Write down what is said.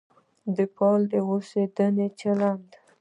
د فعال اوسېدنې چلند.